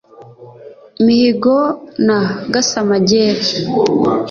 mihigo na gasamagera